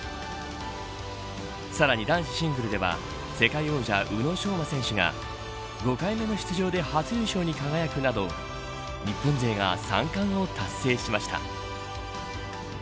さらに男子シングルでは世界王者、宇野昌磨選手が５回目の出場で初優勝に輝くなどを日本勢が三冠を達成しました。